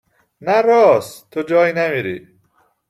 نه رآس ، تو جایی نمیری